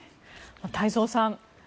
太蔵さん